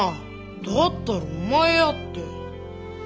だったらお前やって。